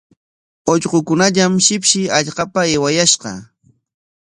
Ullqukunallam shipshi hallqapa aywayashqa.